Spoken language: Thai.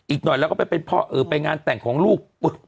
อีกหน่อยแล้วก็เป็นงานแต่งของลูก